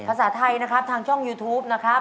ภาษาไทยนะครับทางช่องยูทูปนะครับ